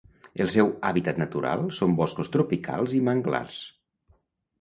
El seu hàbitat natural són boscos tropicals i manglars.